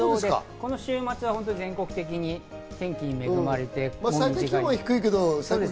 この週末は全国的に天気に恵まれそうです。